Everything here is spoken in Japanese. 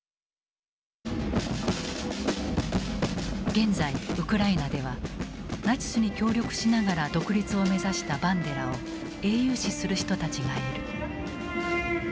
現在ウクライナではナチスに協力しながら独立を目指したバンデラを英雄視する人たちがいる。